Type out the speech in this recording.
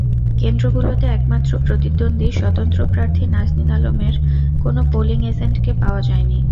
কেন্দ্রগুলোতে একমাত্র প্রতিদ্বন্দ্বী স্বতন্ত্র প্রার্থী নাজনীন আলমের কোনো পোলিং এজেন্টকে পাওয়া যায়নি।